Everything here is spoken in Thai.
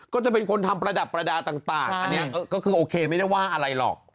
ก็จะเป็นคนทำประดับประดาษต่างอันนี้ก็คือโอเคไม่ได้ว่าอะไรหรอก